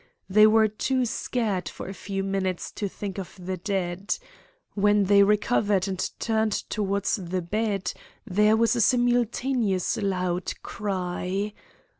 They were too scared for a few minutes to think of the dead. When they recovered and turned towards the bed there was a simultaneous loud cry.